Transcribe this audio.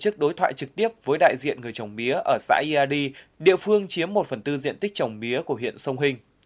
tổ chức đối thoại trực tiếp với đại diện người trồng mía ở xã yadi địa phương chiếm một phần tư diện tích trồng mía của huyện sông hình